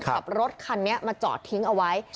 ขับรถคันนี้มาจอดทิ้งเอาไว้